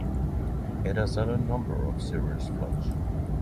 It has had a number of serious floods.